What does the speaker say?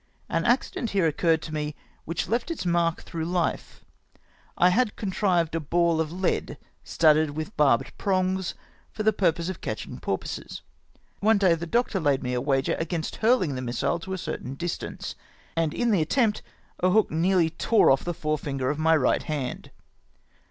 An accident here occurred to me which left its mark through life. I had contrived a ball of lead studded with VOL. I. F 66 I AM OEDEEED TO JOIN THE THETIS. barbed prongs, for the purpose of catching porpoises. One clay the doctor laid me a wager against hurlhig the missile to a certain distance, and in the attempt a hook nearly tore off the fore finger of my right hand.